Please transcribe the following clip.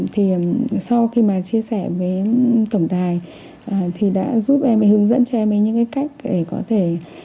thì sau khi mà chia sẻ với tổng đài thì đã giúp em ấy hướng dẫn cho em ấy những cái cách để có thể